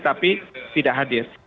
tapi tidak hadir